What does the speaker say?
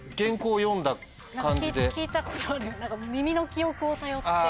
聞いたことある何か。を頼って。